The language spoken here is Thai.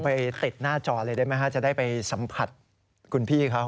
ไปติดหน้าจอเลยได้ไหมฮะจะได้ไปสัมผัสคุณพี่เขา